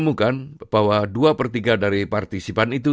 dua per tiga dari partisipan itu